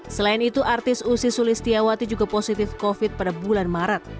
selain itu artis usi sulistiawati juga positif covid pada bulan maret